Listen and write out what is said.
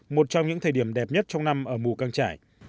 một trong những thời điểm đẹp nhất trong năm ở mù căng trải